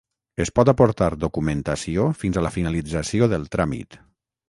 Es pot aportar documentació fins a la finalització del tràmit.